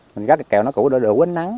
mình gác cái kèo nó cũng đủ đủ ánh nắng